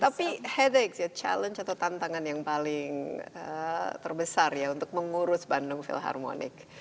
tapi headach ya challenge atau tantangan yang paling terbesar ya untuk mengurus bandung philharmonic